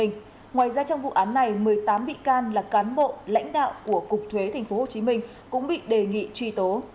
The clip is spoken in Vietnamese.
ngoài ra trong vụ án này một mươi tám bị can là cán bộ lãnh đạo của cục thuế tp hcm cũng bị đề nghị truy tố